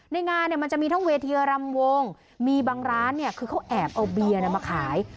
ในงานเนี่ยมันจะมีทั้งเวทีรำวงมีบางร้านเนี่ยคือเขาแอบเอาเบียร์มาขาย